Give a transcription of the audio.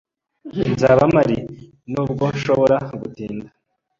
Nzaba mpari, nubwo nshobora gutinda.